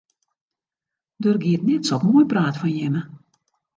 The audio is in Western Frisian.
Der giet net sok moai praat fan jimme.